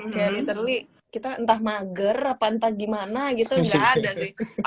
kayak literly kita entah mager apa entah gimana gitu nggak ada sih